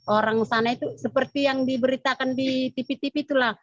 orang sana itu seperti yang diberitakan di tv tv itulah